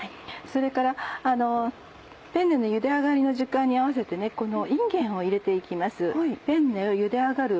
それからペンネのゆで上がりの時間に合わせてこのいんげんを入れて行きます。